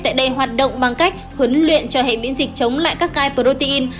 tại đây hoạt động bằng cách huấn luyện cho hệ biến dịch chống lại các cai protein